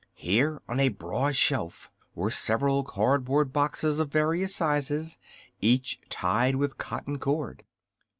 Here, on a broad shelf, were several card board boxes of various sizes, each tied with cotton cord.